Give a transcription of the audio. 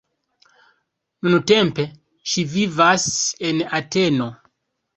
Nuntempe ŝi vivas en Ateno.